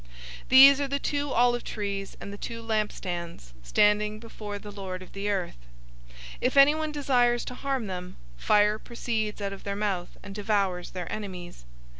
011:004 These are the two olive trees and the two lampstands, standing before the Lord of the earth. 011:005 If anyone desires to harm them, fire proceeds out of their mouth and devours their enemies.